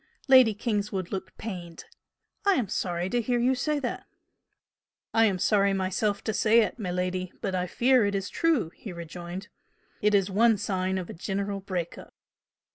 Lady Kingswood looked pained. "I am sorry to hear you say that!" "I am sorry myself to say it, miladi, but I fear it is true!" he rejoined "It is one sign of a general break up."